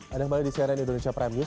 ada kembali di seri indonesia prime news